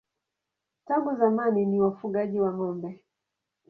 Tangu zamani ni wafugaji wa ng'ombe.